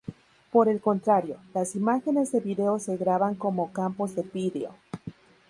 Por el contrario, las imágenes de video se graban como campos de vídeo.